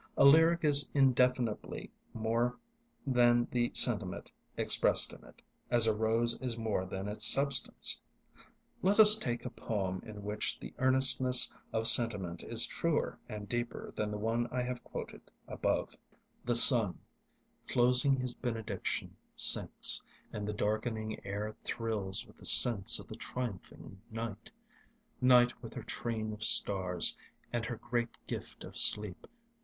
A lyric is indefinably more than the sentiment expressed in it, as a rose is more than its substance. Let us take a poem in which the earnestness of sentiment is truer and deeper than the one I have quoted above: The sun, Closing his benediction, Sinks, and the darkening air Thrills with the sense of the triumphing night,— Night with her train of stars And her great gift of sleep.